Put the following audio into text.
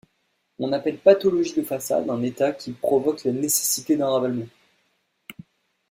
On appel pathologie de façade un état qui provoque la nécessité d'un ravalement.